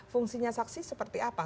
fungsinya saksi seperti apa